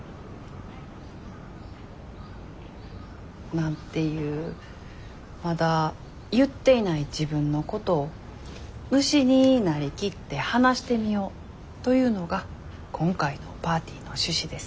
なんていうまだ言っていない自分のことを虫になりきって話してみようというのが今回のパーティーの趣旨です。